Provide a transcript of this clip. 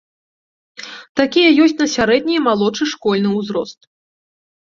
Такія ёсць на сярэдні і малодшы школьны ўзрост.